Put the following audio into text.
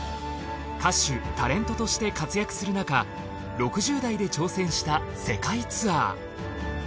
歌手タレントとして活躍するなか６０代で挑戦した世界ツアー。